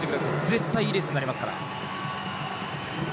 絶対いいレースになりますから。